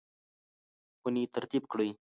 خونې ترتیب کړئ